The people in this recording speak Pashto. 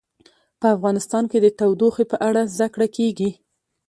په افغانستان کې د تودوخه په اړه زده کړه کېږي.